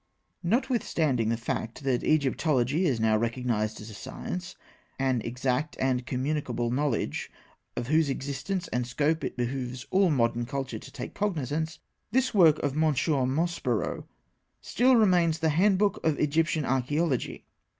Notwithstanding the fact that Egyptology is now recognised as a science, an exact and communicable knowledge of whose existence and scope it behoves all modern culture to take cognisance, this work of M. Maspero still remains the Handbook of Egyptian Archaeology.